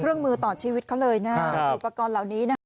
มือต่อชีวิตเขาเลยนะอุปกรณ์เหล่านี้นะคะ